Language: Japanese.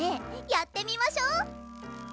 やってみましょ！